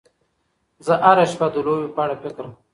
زه هره شپه د لوبې په اړه فکر کوم.